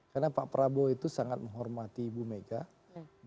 karena pak prabowo itu sangat menghormati bu megawati